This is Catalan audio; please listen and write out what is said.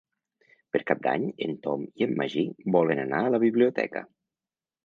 Per Cap d'Any en Tom i en Magí volen anar a la biblioteca.